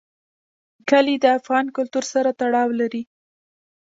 کلي د افغان کلتور سره تړاو لري.